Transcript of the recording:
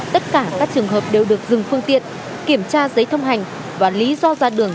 tất cả các trường hợp đều được dừng phương tiện kiểm tra giấy thông hành và lý do ra đường